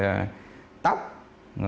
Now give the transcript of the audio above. rồi đặc điểm hình xăm